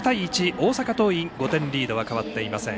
大阪桐蔭５点リードは変わっていません。